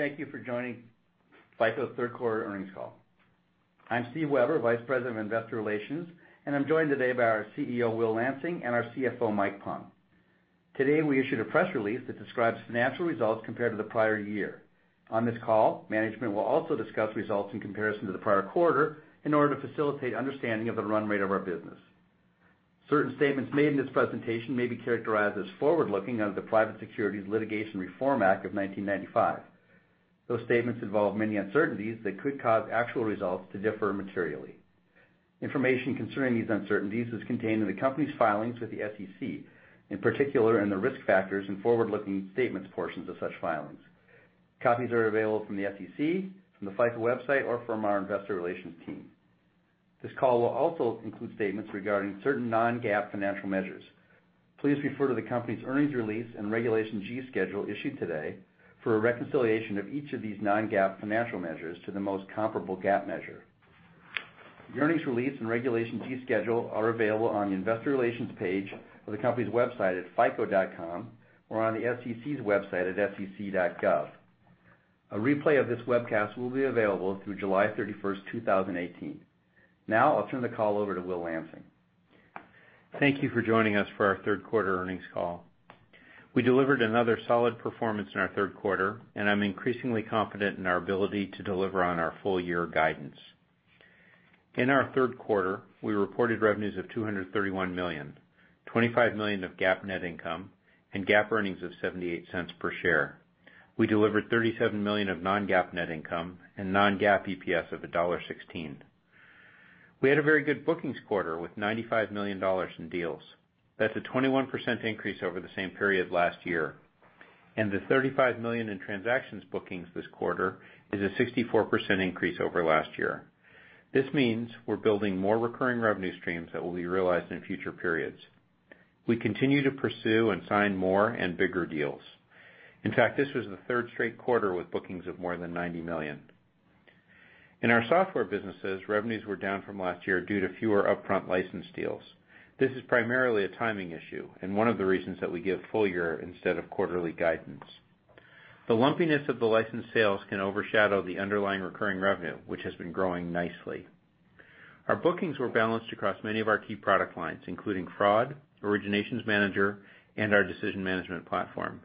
Thank you for joining FICO third quarter earnings call. I'm Steve Weber, Vice President of Investor Relations, and I'm joined today by our CEO, Will Lansing, and our CFO, Mike McLaughlin. Today, we issued a press release that describes financial results compared to the prior year. On this call, management will also discuss results in comparison to the prior quarter in order to facilitate understanding of the run rate of our business. Certain statements made in this presentation may be characterized as forward-looking under the Private Securities Litigation Reform Act of 1995. Those statements involve many uncertainties that could cause actual results to differ materially. Information concerning these uncertainties is contained in the company's filings with the SEC, in particular in the risk factors and forward-looking statements portions of such filings. Copies are available from the SEC, from the FICO website, or from our investor relations team. This call will also include statements regarding certain non-GAAP financial measures. Please refer to the company's earnings release and Regulation G schedule issued today for a reconciliation of each of these non-GAAP financial measures to the most comparable GAAP measure. The earnings release and Regulation G schedule are available on the investor relations page of the company's website at fico.com or on the SEC's website at sec.gov. A replay of this webcast will be available through July 31st, 2018. I'll turn the call over to Will Lansing. Thank you for joining us for our third quarter earnings call. We delivered another solid performance in our third quarter, and I'm increasingly confident in our ability to deliver on our full year guidance. In our third quarter, we reported revenues of $231 million, $25 million of GAAP net income, and GAAP earnings of $0.78 per share. We delivered $37 million of non-GAAP net income and non-GAAP EPS of $1.16. We had a very good bookings quarter with $95 million in deals. That's a 21% increase over the same period last year. The $35 million in transactions bookings this quarter is a 64% increase over last year. This means we're building more recurring revenue streams that will be realized in future periods. We continue to pursue and sign more and bigger deals. In fact, this was the third straight quarter with bookings of more than $90 million. In our software businesses, revenues were down from last year due to fewer upfront license deals. This is primarily a timing issue and one of the reasons that we give full year instead of quarterly guidance. The lumpiness of the license sales can overshadow the underlying recurring revenue, which has been growing nicely. Our bookings were balanced across many of our key product lines, including fraud, Origination Manager, and our Decision Management Platform.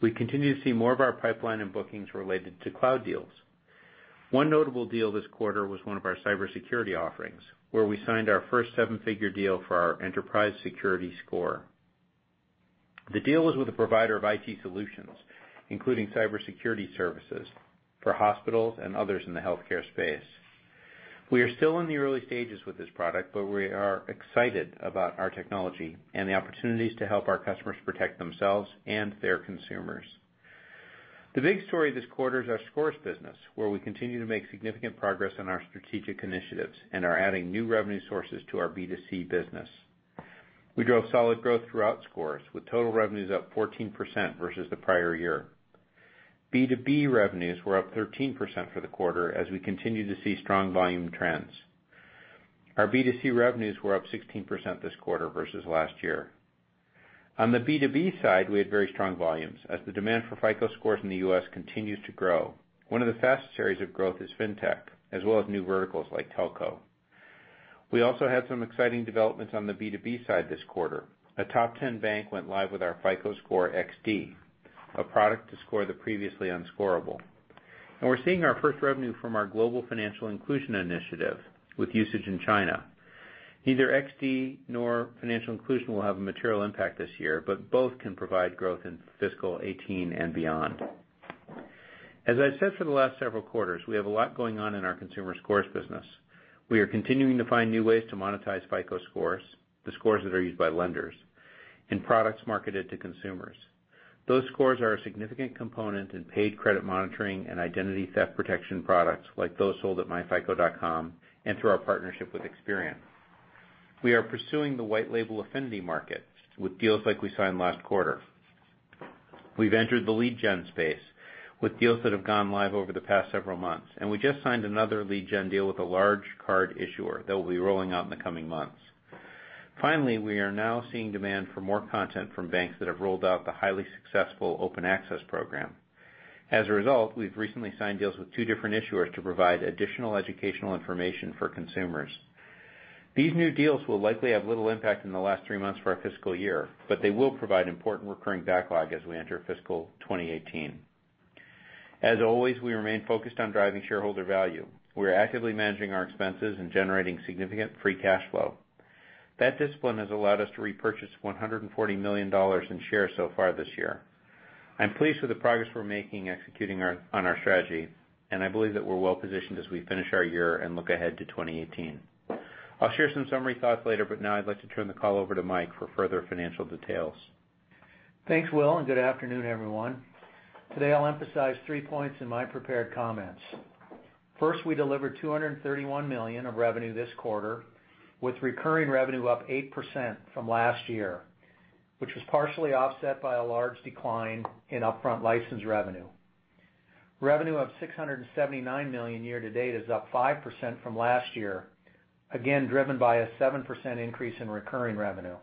We continue to see more of our pipeline and bookings related to cloud deals. One notable deal this quarter was one of our cybersecurity offerings, where we signed our first seven-figure deal for our Enterprise Security Score. The deal was with a provider of IT solutions, including cybersecurity services for hospitals and others in the healthcare space. We are still in the early stages with this product, but we are excited about our technology and the opportunities to help our customers protect themselves and their consumers. The big story this quarter is our Scores business, where we continue to make significant progress on our strategic initiatives and are adding new revenue sources to our B2C business. We drove solid growth throughout Scores, with total revenues up 14% versus the prior year. B2B revenues were up 13% for the quarter as we continue to see strong volume trends. Our B2C revenues were up 16% this quarter versus last year. On the B2B side, we had very strong volumes as the demand for FICO Scores in the U.S. continues to grow. One of the fastest areas of growth is fintech, as well as new verticals like telco. We also had some exciting developments on the B2B side this quarter. A top 10 bank went live with our FICO Score XD, a product to score the previously unscoreable. We're seeing our first revenue from our global financial inclusion initiative with usage in China. Neither XD nor financial inclusion will have a material impact this year, but both can provide growth in fiscal 2018 and beyond. As I said for the last several quarters, we have a lot going on in our consumer Scores business. We are continuing to find new ways to monetize FICO Scores, the Scores that are used by lenders, and products marketed to consumers. Those Scores are a significant component in paid credit monitoring and identity theft protection products like those sold at myfico.com and through our partnership with Experian. We are pursuing the white label affinity market with deals like we signed last quarter. We've entered the lead gen space with deals that have gone live over the past several months. We just signed another lead gen deal with a large card issuer that will be rolling out in the coming months. Finally, we are now seeing demand for more content from banks that have rolled out the highly successful Open Access program. We've recently signed deals with two different issuers to provide additional educational information for consumers. These new deals will likely have little impact in the last three months for our fiscal year, but they will provide important recurring backlog as we enter fiscal 2018. As always, we remain focused on driving shareholder value. We are actively managing our expenses and generating significant free cash flow. That discipline has allowed us to repurchase $140 million in shares so far this year. I'm pleased with the progress we're making executing on our strategy. I believe that we're well-positioned as we finish our year and look ahead to 2018. I'll share some summary thoughts later. Now I'd like to turn the call over to Mike for further financial details. Thanks, Will, and good afternoon, everyone. Today, I'll emphasize three points in my prepared comments. First, we delivered $231 million of revenue this quarter, with recurring revenue up 8% from last year, which was partially offset by a large decline in upfront license revenue. Revenue of $679 million year-to-date is up 5% from last year, again, driven by a 7% increase in recurring revenue.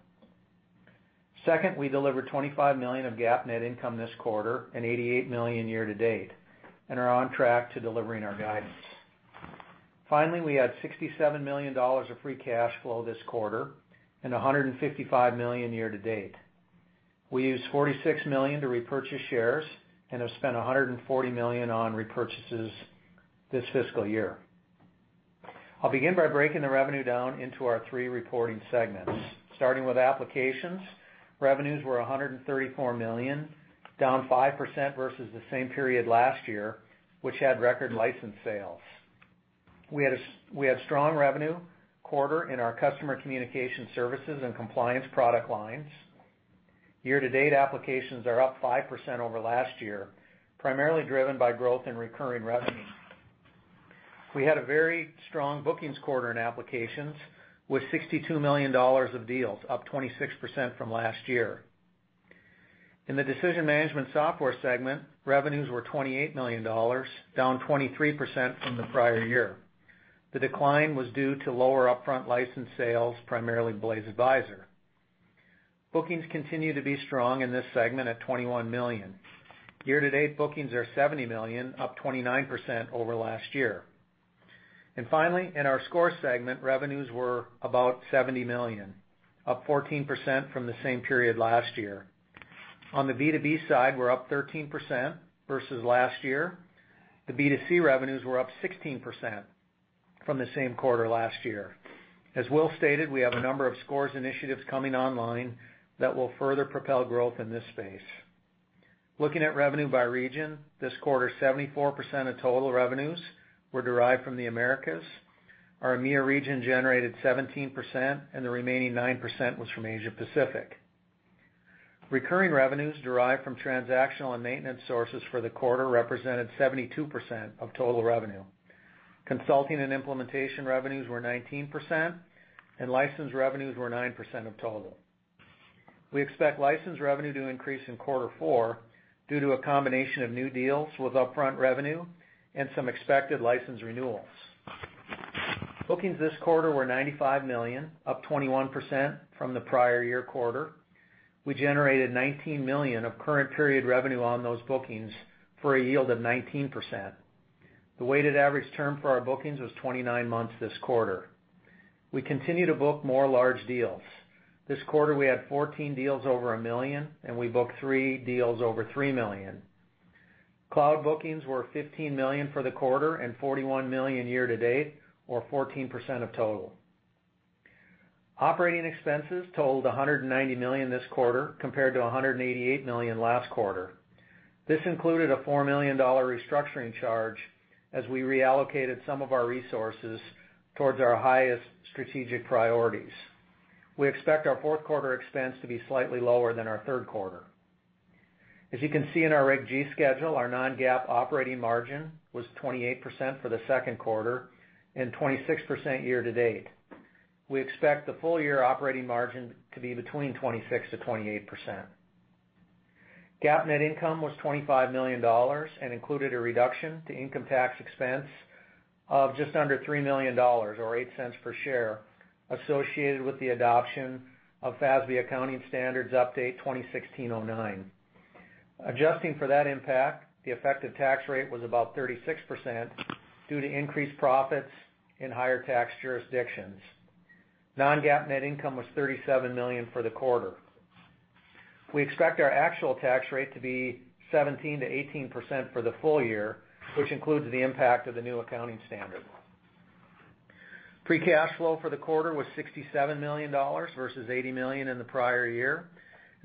Second, we delivered $25 million of GAAP net income this quarter and $88 million year-to-date, and are on track to delivering our guidance. Finally, we had $67 million of free cash flow this quarter and $155 million year-to-date. We used $46 million to repurchase shares and have spent $140 million on repurchases this fiscal year. I'll begin by breaking the revenue down into our three reporting segments. Starting with Applications, revenues were $134 million, down 5% versus the same period last year, which had record license sales. We had strong revenue quarter in our Customer Communication Services and compliance product lines. Year-to-date Applications are up 5% over last year, primarily driven by growth in recurring revenue. We had a very strong bookings quarter in Applications with $62 million of deals, up 26% from last year. In the Decision Management Software segment, revenues were $28 million, down 23% from the prior year. The decline was due to lower upfront license sales, primarily Blaze Advisor. Bookings continue to be strong in this segment at $21 million. Year-to-date bookings are $70 million, up 29% over last year. Finally, in our Scores segment, revenues were about $70 million, up 14% from the same period last year. On the B2B side, we're up 13% versus last year. The B2C revenues were up 16% from the same quarter last year. As Will stated, we have a number of Scores initiatives coming online that will further propel growth in this space. Looking at revenue by region, this quarter, 74% of total revenues were derived from the Americas. Our EMEA region generated 17% and the remaining 9% was from Asia Pacific. Recurring revenues derived from transactional and maintenance sources for the quarter represented 72% of total revenue. Consulting and implementation revenues were 19%, and license revenues were 9% of total. We expect license revenue to increase in quarter four due to a combination of new deals with upfront revenue and some expected license renewals. Bookings this quarter were $95 million, up 21% from the prior year quarter. We generated $19 million of current period revenue on those bookings for a yield of 19%. The weighted average term for our bookings was 29 months this quarter. We continue to book more large deals. This quarter, we had 14 deals over $1 million, and we booked three deals over $3 million. Cloud bookings were $15 million for the quarter and $41 million year-to-date, or 14% of total. Operating expenses totaled $190 million this quarter, compared to $188 million last quarter. This included a $4 million restructuring charge as we reallocated some of our resources towards our highest strategic priorities. We expect our fourth quarter expense to be slightly lower than our third quarter. As you can see in our Reg G schedule, our non-GAAP operating margin was 28% for the second quarter and 26% year-to-date. We expect the full-year operating margin to be between 26%-28%. GAAP net income was $25 million and included a reduction to income tax expense of just under $3 million, or $0.08 per share, associated with the adoption of FASB Accounting Standards Update 2016-09. Adjusting for that impact, the effective tax rate was about 36% due to increased profits in higher tax jurisdictions. Non-GAAP net income was $37 million for the quarter. We expect our actual tax rate to be 17%-18% for the full year, which includes the impact of the new accounting standard. Free cash flow for the quarter was $67 million versus $80 million in the prior year.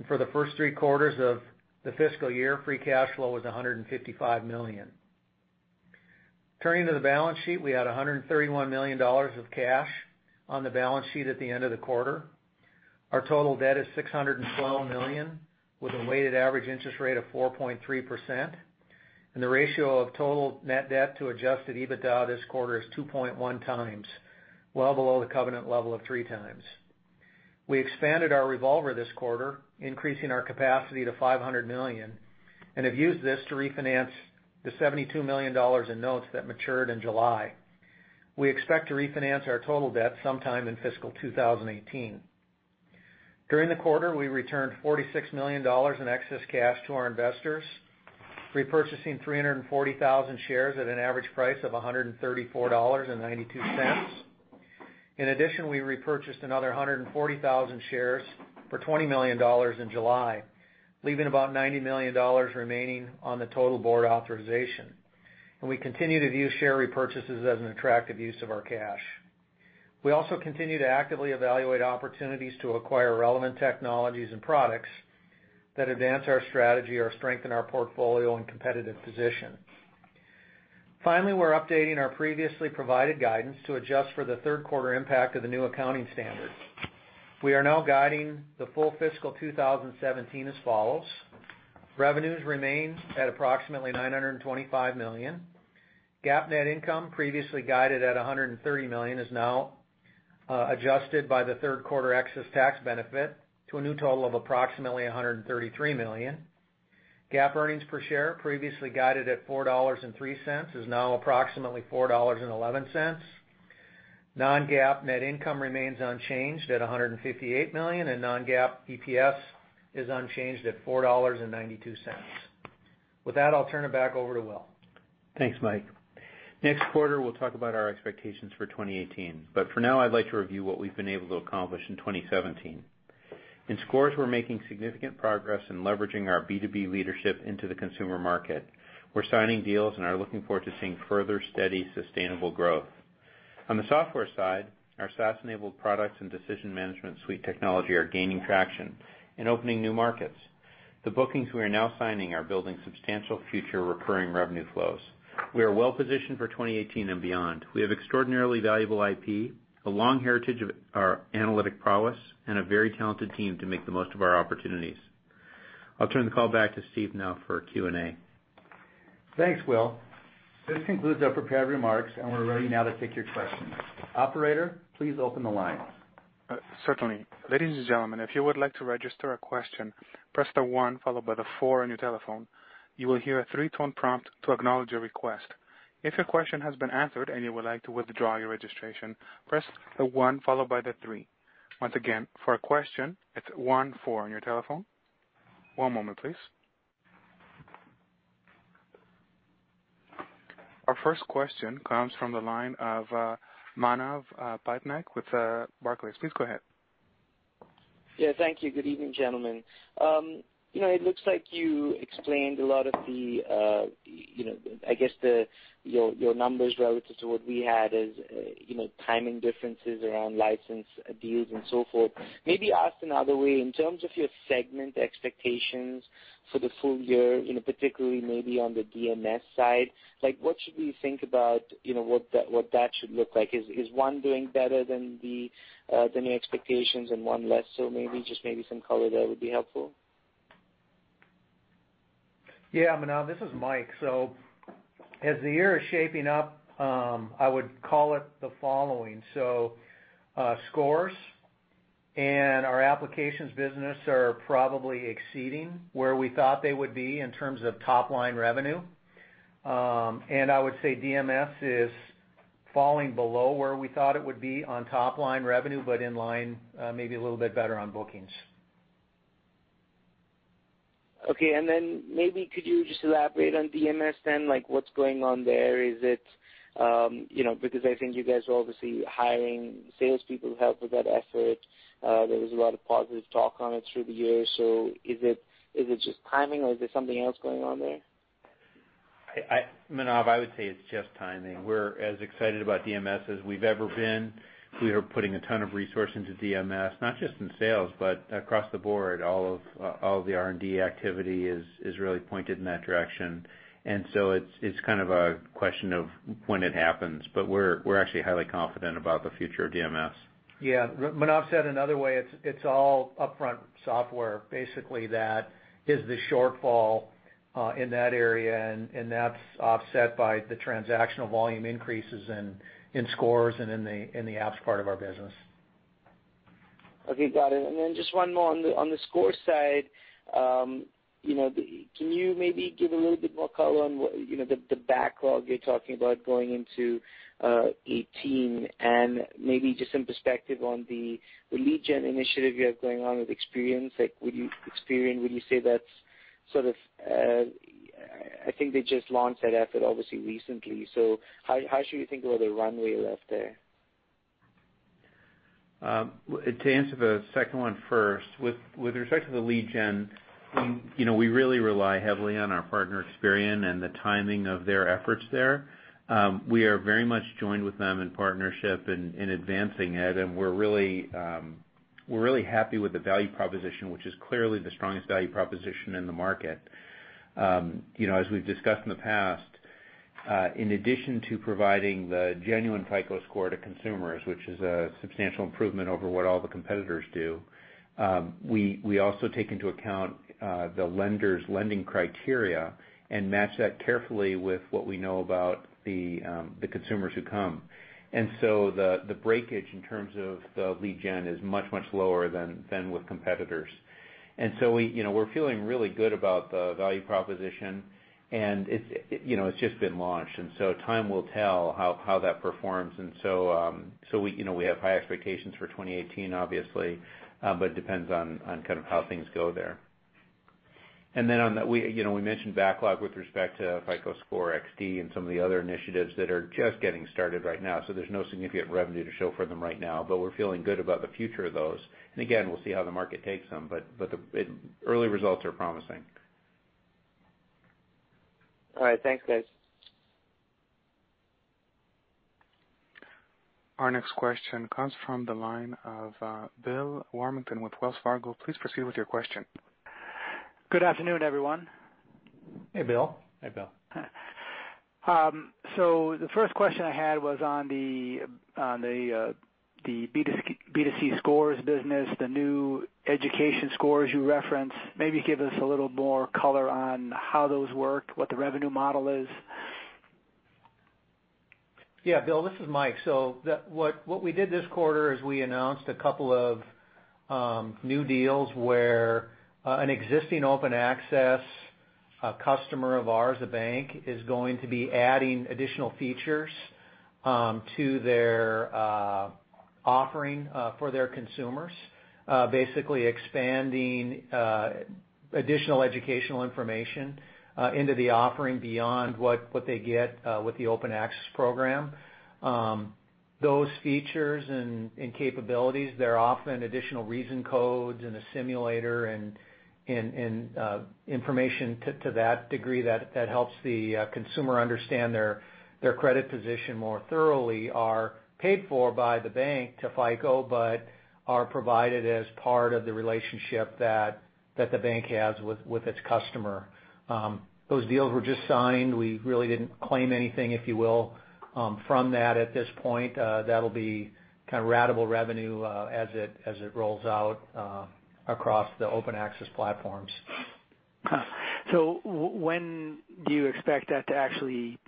For the first three quarters of the fiscal year, free cash flow was $155 million. Turning to the balance sheet, we had $131 million of cash on the balance sheet at the end of the quarter. Our total debt is $612 million, with a weighted average interest rate of 4.3%, and the ratio of total net debt to adjusted EBITDA this quarter is 2.1 times, well below the covenant level of three times. We expanded our revolver this quarter, increasing our capacity to $500 million and have used this to refinance the $72 million in notes that matured in July. We expect to refinance our total debt sometime in fiscal 2018. During the quarter, we returned $46 million in excess cash to our investors, repurchasing 340,000 shares at an average price of $134.92. In addition, we repurchased another 140,000 shares for $20 million in July, leaving about $90 million remaining on the total board authorization. We continue to view share repurchases as an attractive use of our cash. We also continue to actively evaluate opportunities to acquire relevant technologies and products that advance our strategy or strengthen our portfolio and competitive position. Finally, we're updating our previously provided guidance to adjust for the third quarter impact of the new accounting standard. We are now guiding the full fiscal 2017 as follows. Revenues remain at approximately $925 million. GAAP net income previously guided at $130 million, is now adjusted by the third quarter excess tax benefit to a new total of approximately $133 million. GAAP earnings per share previously guided at $4.03, is now approximately $4.11. Non-GAAP net income remains unchanged at $158 million, and non-GAAP EPS is unchanged at $4.92. With that, I'll turn it back over to Will. Thanks, Mike. Next quarter, we'll talk about our expectations for 2018, but for now, I'd like to review what we've been able to accomplish in 2017. In Scores, we're making significant progress in leveraging our B2B leadership into the consumer market. We're signing deals and are looking forward to seeing further steady, sustainable growth. On the software side, our SaaS-enabled products and Decision Management Suite technology are gaining traction in opening new markets. The bookings we are now signing are building substantial future recurring revenue flows. We are well-positioned for 2018 and beyond. We have extraordinarily valuable IP, a long heritage of our analytic prowess, and a very talented team to make the most of our opportunities. I'll turn the call back to Steve now for Q&A. Thanks, Will. This concludes our prepared remarks, and we're ready now to take your questions. Operator, please open the line. Certainly. Ladies and gentlemen, if you would like to register a question, press the one followed by the four on your telephone. You will hear a three-tone prompt to acknowledge your request. If your question has been answered and you would like to withdraw your registration, press the one followed by the three. Once again, for a question, it's one, four on your telephone. One moment, please. Our first question comes from the line of Manav Patnaik with Barclays. Please go ahead. Yeah, thank you. Good evening, gentlemen. It looks like you explained a lot of the, I guess your numbers relative to what we had as timing differences around license deals and so forth. Maybe asked another way, in terms of your segment expectations for the full year, particularly maybe on the DMS side, what should we think about what that should look like? Is one doing better than the expectations and one less so maybe? Just maybe some color there would be helpful. Yeah, Manav, this is Mike. As the year is shaping up, I would call it the following. Scores and our Applications business are probably exceeding where we thought they would be in terms of top-line revenue. I would say DMS is falling below where we thought it would be on top-line revenue, but in line maybe a little bit better on bookings. Okay. Maybe could you just elaborate on DMS then, like, what's going on there? I think you guys are obviously hiring salespeople to help with that effort. There was a lot of positive talk on it through the year. Is it just timing, or is there something else going on there? Manav, I would say it's just timing. We're as excited about DMS as we've ever been. We are putting a ton of resource into DMS, not just in sales, but across the board. All of the R&D activity is really pointed in that direction. It's kind of a question of when it happens. We're actually highly confident about the future of DMS. Yeah. Manav, said another way, it's all upfront software. Basically, that is the shortfall in that area, and that's offset by the transactional volume increases in Scores and in the apps part of our business. Okay, got it. Just one more on the Scores side. Can you maybe give a little bit more color on the backlog you're talking about going into 2018 and maybe just some perspective on the lead gen initiative you have going on with Experian? I think they just launched that effort obviously recently. How should we think about the runway left there? To answer the second one first, with respect to the lead gen, we really rely heavily on our partner, Experian, and the timing of their efforts there. We are very much joined with them in partnership in advancing it, and we're really happy with the value proposition, which is clearly the strongest value proposition in the market. As we've discussed in the past, in addition to providing the genuine FICO Score to consumers, which is a substantial improvement over what all the competitors do, we also take into account the lender's lending criteria and match that carefully with what we know about the consumers who come. The breakage in terms of the lead gen is much, much lower than with competitors. We're feeling really good about the value proposition, and it's just been launched, and time will tell how that performs. We have high expectations for 2018, obviously, but it depends on kind of how things go there. We mentioned backlog with respect to FICO Score XD and some of the other initiatives that are just getting started right now. There's no significant revenue to show for them right now, but we're feeling good about the future of those. Again, we'll see how the market takes them, but the early results are promising. All right. Thanks, guys. Our next question comes from the line of Bill Warmington with Wells Fargo. Please proceed with your question. Good afternoon, everyone. Hey, Bill. Hey, Bill. The first question I had was on the B2C Scores business, the new education scores you referenced, maybe give us a little more color on how those work, what the revenue model is. Bill, this is Mike. What we did this quarter is we announced a couple of new deals where an existing Open Access customer of ours, a bank, is going to be adding additional features to their offering for their consumers, basically expanding additional educational information into the offering beyond what they get with the Open Access program. Those features and capabilities, they're often additional reason codes and a simulator and information to that degree that helps the consumer understand their credit position more thoroughly, are paid for by the bank to FICO, but are provided as part of the relationship that the bank has with its customer. Those deals were just signed. We really didn't claim anything, if you will, from that at this point. That'll be ratable revenue as it rolls out across the Open Access platforms. When do you expect that to actually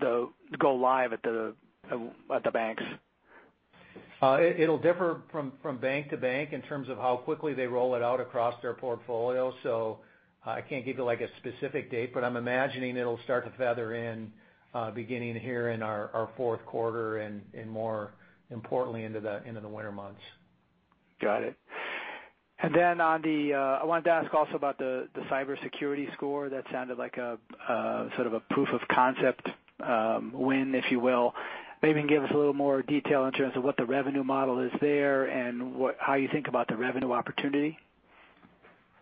go live at the banks? It'll differ from bank to bank in terms of how quickly they roll it out across their portfolio. I can't give you a specific date, but I'm imagining it'll start to feather in beginning here in our fourth quarter and more importantly, into the winter months. Got it. I wanted to ask also about the cybersecurity score. That sounded like a proof of concept win, if you will. Maybe you can give us a little more detail in terms of what the revenue model is there and how you think about the revenue opportunity.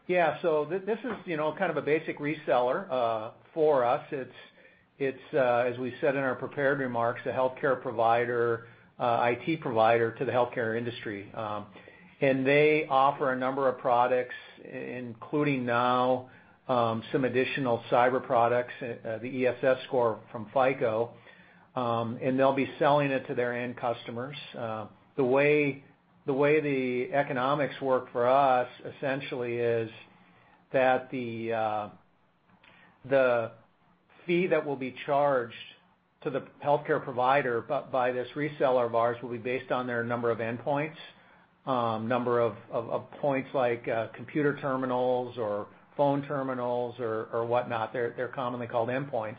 Yeah. This is kind of a basic reseller for us. It's, as we said in our prepared remarks, a healthcare provider, IT provider to the healthcare industry. They offer a number of products, including now some additional cyber products, the ESS score from FICO, and they'll be selling it to their end customers. The way the economics work for us, essentially, is that the fee that will be charged to the healthcare provider by this reseller of ours will be based on their number of endpoints, number of points like computer terminals or phone terminals or whatnot. They're commonly called endpoints.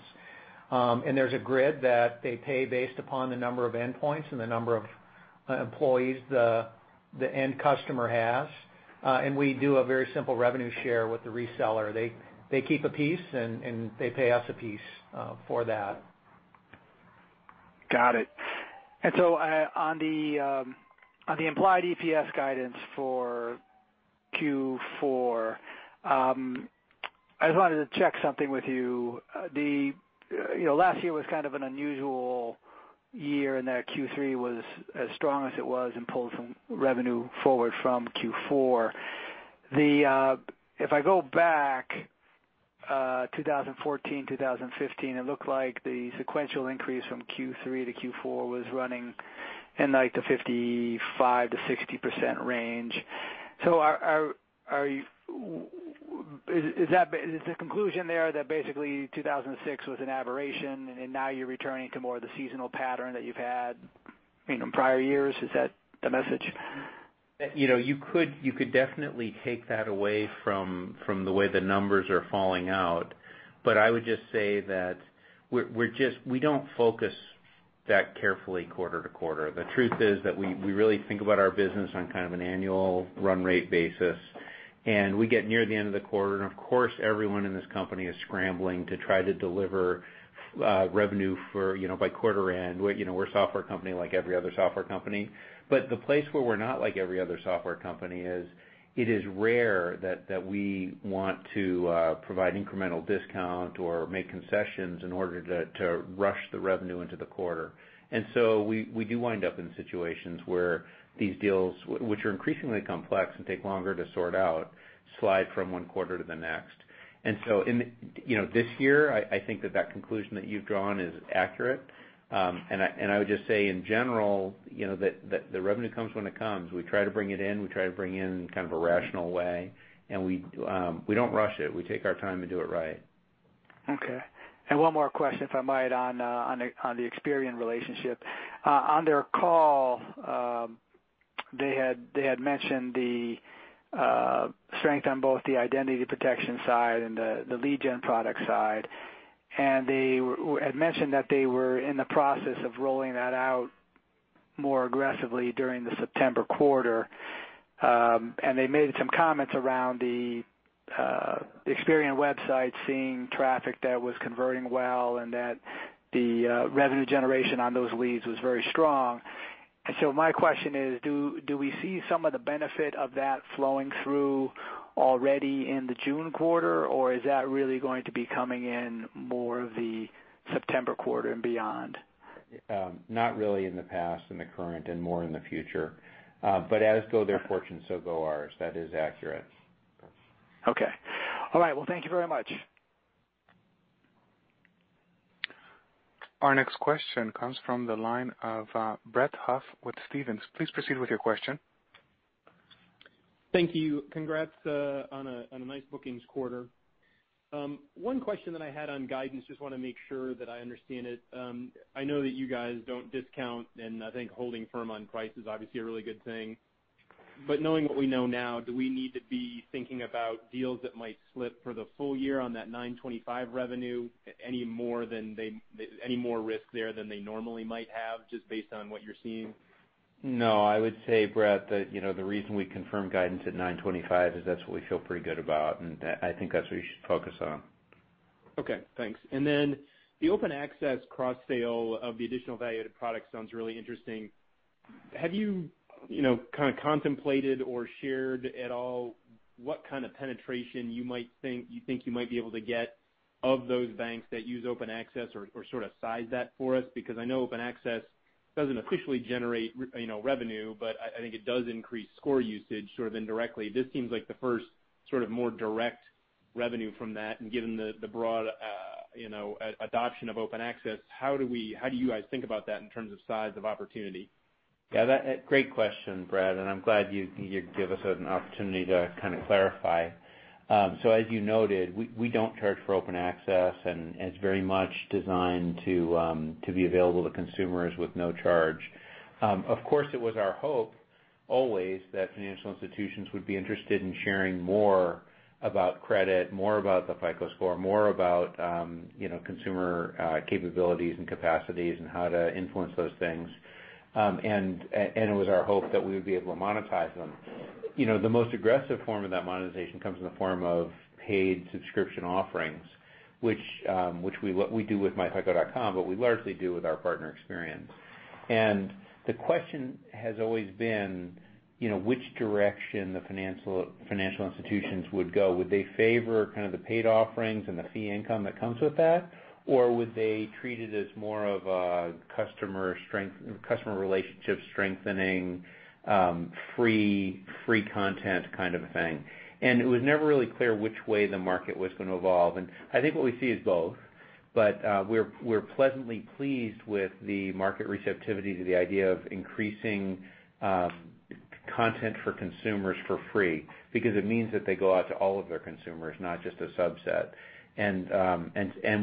There's a grid that they pay based upon the number of endpoints and the number of employees the end customer has. We do a very simple revenue share with the reseller. They keep a piece and they pay us a piece for that. Got it. On the implied EPS guidance for Q4, I just wanted to check something with you. Last year was kind of an unusual year in that Q3 was as strong as it was and pulled some revenue forward from Q4. If I go back, 2014, 2015, it looked like the sequential increase from Q3 to Q4 was running in the 55%-60% range. Is the conclusion there that basically 2016 was an aberration and now you're returning to more of the seasonal pattern that you've had in prior years? Is that the message? You could definitely take that away from the way the numbers are falling out. I would just say that we don't focus that carefully quarter to quarter. The truth is that we really think about our business on kind of an annual run rate basis. We get near the end of the quarter and, of course, everyone in this company is scrambling to try to deliver revenue by quarter end. We're a software company like every other software company. The place where we're not like every other software company is it is rare that we want to provide incremental discount or make concessions in order to rush the revenue into the quarter. We do wind up in situations where these deals, which are increasingly complex and take longer to sort out, slide from one quarter to the next. In this year, I think that that conclusion that you've drawn is accurate. I would just say in general, that the revenue comes when it comes. We try to bring it in, we try to bring it in kind of a rational way. We don't rush it. We take our time and do it right. Okay. One more question, if I might, on the Experian relationship. On their call, they had mentioned the strength on both the identity protection side and the lead gen product side. They had mentioned that they were in the process of rolling that out more aggressively during the September quarter. They made some comments around the Experian website seeing traffic that was converting well and that the revenue generation on those leads was very strong. My question is: Do we see some of the benefit of that flowing through already in the June quarter, or is that really going to be coming in more the September quarter and beyond? Not really in the past and the current and more in the future. As go their fortunes, so go ours. That is accurate. Okay. All right. Thank you very much. Our next question comes from the line of Brett Huff with Stephens. Please proceed with your question. Thank you. Congrats on a nice bookings quarter. One question that I had on guidance, just want to make sure that I understand it. I know that you guys don't discount and I think holding firm on price is obviously a really good thing. Knowing what we know now, do we need to be thinking about deals that might slip for the full year on that $925 revenue, any more risk there than they normally might have, just based on what you're seeing? No, I would say, Brett, that the reason we confirmed guidance at $925 is that's what we feel pretty good about, and I think that's what you should focus on. Okay, thanks. The Open Access cross-sale of the additional value-added product sounds really interesting. Have you contemplated or shared at all what kind of penetration you think you might be able to get of those banks that use Open Access or size that for us? I know Open Access doesn't officially generate revenue, but I think it does increase score usage indirectly. This seems like the first more direct revenue from that, and given the broad adoption of Open Access, how do you guys think about that in terms of size of opportunity? Great question, Brett, and I'm glad you give us an opportunity to clarify. As you noted, we don't charge for Open Access, and it's very much designed to be available to consumers with no charge. Of course, it was our hope always that financial institutions would be interested in sharing more about credit, more about the FICO Score, more about consumer capabilities and capacities and how to influence those things. It was our hope that we would be able to monetize them. The most aggressive form of that monetization comes in the form of paid subscription offerings, which we do with myFICO.com, but we largely do with our partner Experian. The question has always been, which direction the financial institutions would go. Would they favor the paid offerings and the fee income that comes with that, or would they treat it as more of a customer relationship strengthening, free content kind of a thing. It was never really clear which way the market was going to evolve. I think what we see is both. We're pleasantly pleased with the market receptivity to the idea of increasing content for consumers for free, because it means that they go out to all of their consumers, not just a subset.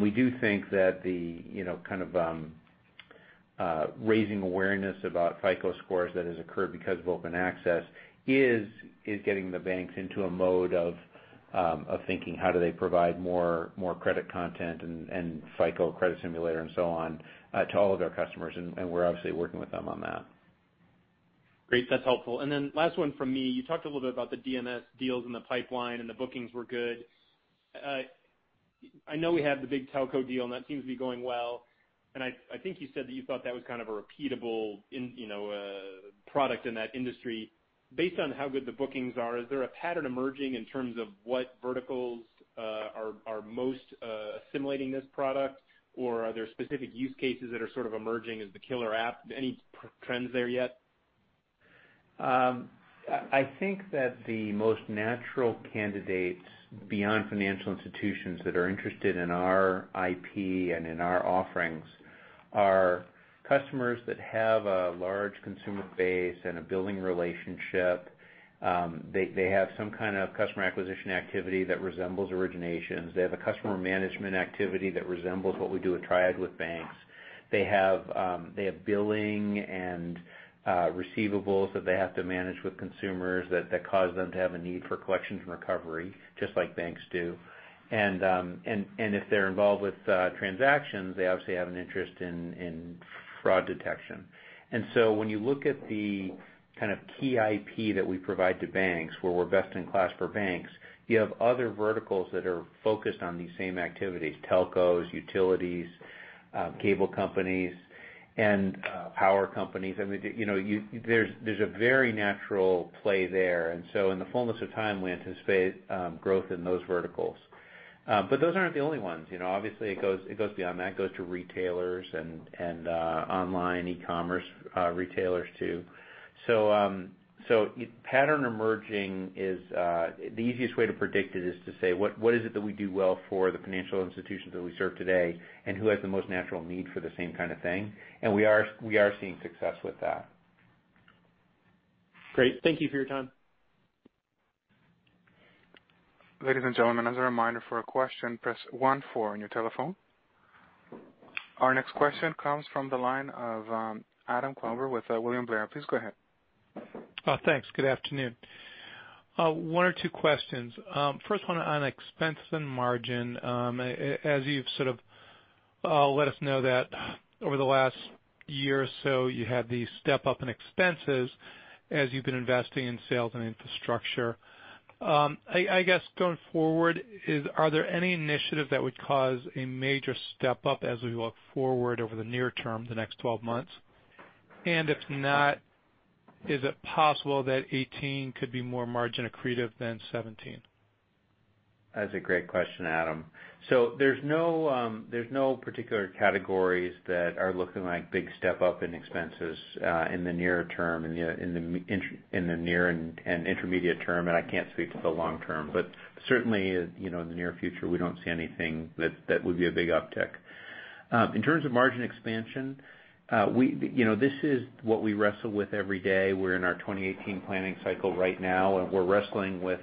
We do think that the raising awareness about FICO Scores that has occurred because of Open Access is getting the banks into a mode of thinking, how do they provide more credit content and FICO credit simulator and so on to all of their customers. We're obviously working with them on that. Great. That's helpful. Then last one from me. You talked a little bit about the DMS deals in the pipeline, the bookings were good. I know we have the big telco deal, that seems to be going well. I think you said that you thought that was kind of a repeatable product in that industry. Based on how good the bookings are, is there a pattern emerging in terms of what verticals are most assimilating this product, or are there specific use cases that are sort of emerging as the killer app? Any trends there yet? I think that the most natural candidates beyond financial institutions that are interested in our IP and in our offerings are customers that have a large consumer base and a building relationship. They have some kind of customer acquisition activity that resembles originations. They have a customer management activity that resembles what we do at TRIAD with banks. They have billing and receivables that they have to manage with consumers that cause them to have a need for collections and recovery, just like banks do. If they're involved with transactions, they obviously have an interest in fraud detection. When you look at the key IP that we provide to banks, where we're best in class for banks, you have other verticals that are focused on these same activities, telcos, utilities, cable companies, and power companies. There's a very natural play there. In the fullness of time, we anticipate growth in those verticals. Those aren't the only ones. Obviously, it goes beyond that. It goes to retailers and online e-commerce retailers too. Pattern emerging is the easiest way to predict it is to say, what is it that we do well for the financial institutions that we serve today, and who has the most natural need for the same kind of thing? We are seeing success with that. Great. Thank you for your time. Ladies and gentlemen, as a reminder for a question, press 1-4 on your telephone. Our next question comes from the line of Adam Klauber with William Blair. Please go ahead. Thanks. Good afternoon. One or two questions. First one on expense and margin. As you've sort of let us know that over the last year or so, you had the step-up in expenses as you've been investing in sales and infrastructure. I guess going forward, are there any initiatives that would cause a major step-up as we look forward over the near term, the next 12 months? If not, is it possible that 2018 could be more margin accretive than 2017? That's a great question, Adam. There's no particular categories that are looking like big step-up in expenses in the near term and the near and intermediate term. I can't speak to the long term. Certainly, in the near future, we don't see anything that would be a big uptick. In terms of margin expansion, this is what we wrestle with every day. We're in our 2018 planning cycle right now, and we're wrestling with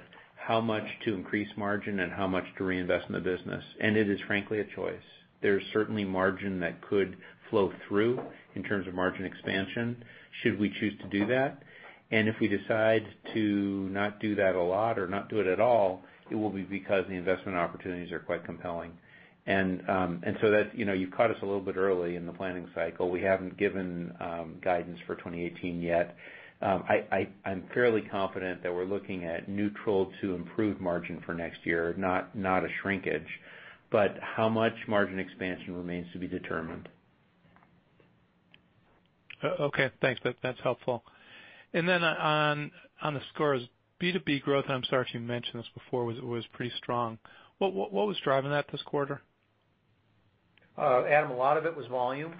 how much to increase margin and how much to reinvest in the business. It is frankly a choice. There's certainly margin that could flow through in terms of margin expansion should we choose to do that. If we decide to not do that a lot or not do it at all, it will be because the investment opportunities are quite compelling. You've caught us a little bit early in the planning cycle. We haven't given guidance for 2018 yet. I'm fairly confident that we're looking at neutral to improved margin for next year, not a shrinkage, but how much margin expansion remains to be determined. Okay, thanks. That's helpful. On the scores B2B growth, I'm sorry if you mentioned this before, was pretty strong. What was driving that this quarter? Adam, a lot of it was volume.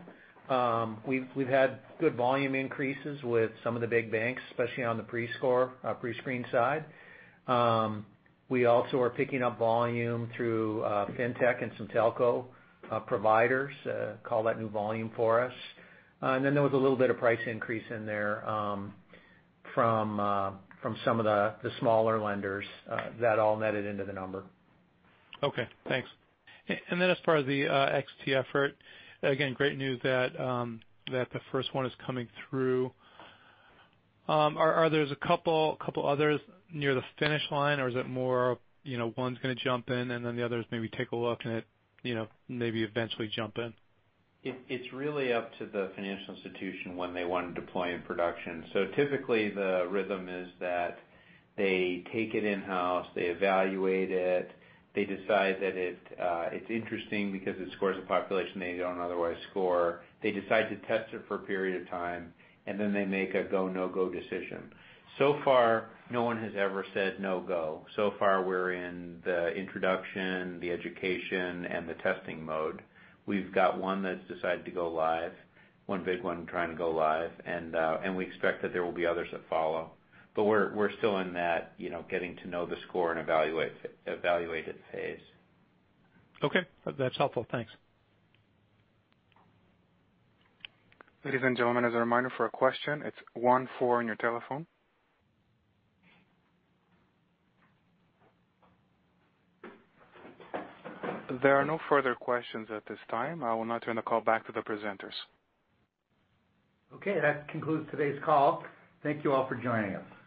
We've had good volume increases with some of the big banks, especially on the pre-screen side. We also are picking up volume through fintech and some telco providers, call that new volume for us. There was a little bit of price increase in there from some of the smaller lenders that all netted into the number. Okay, thanks. As far as the XD effort, again, great news that the first one is coming through. Are there a couple others near the finish line, or is it more of one's going to jump in and then the others maybe take a look and maybe eventually jump in? It's really up to the financial institution when they want to deploy in production. Typically, the rhythm is that they take it in-house, they evaluate it, they decide that it's interesting because it scores a population they don't otherwise score. They decide to test it for a period of time, and then they make a go, no-go decision. Far, no one has ever said no go. Far, we're in the introduction, the education, and the testing mode. We've got one that's decided to go live, one big one trying to go live, and we expect that there will be others that follow. We're still in that getting to know the score and evaluate it phase. Okay. That's helpful. Thanks. Ladies and gentlemen, as a reminder for a question, it's one, four on your telephone. There are no further questions at this time. I will now turn the call back to the presenters. Okay. That concludes today's call. Thank you all for joining us.